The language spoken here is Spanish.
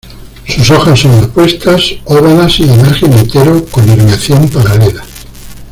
Sus hojas son opuestas, ovadas y de margen entero, con nerviación paralela.